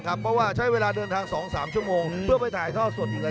ก้าวว่าใช้เวลาเดินทางสองสามชั่วโมงเพื่อไปถ่ายท่อสดอยู่หน่อย